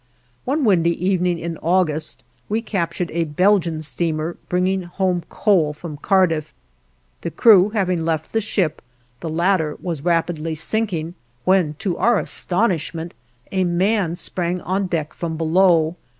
One windy evening in August, we captured a Belgian steamer bringing home coal from Cardiff; the crew having left the ship, the latter was rapidly sinking, when to our astonishment a man sprang on deck from below.